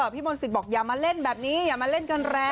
๘๗๘พี่มนศิษย์บอกอย่ามาเล่นแบบนี้อย่ามาเล่นกันแรก